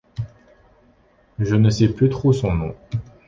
Je ne sais plus trop son nom.